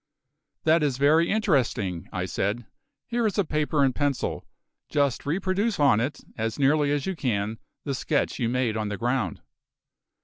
"That is very interesting," I said. "Here is paper and a pencil. Just reproduce on it, as nearly as you can, the sketch you made on the ground."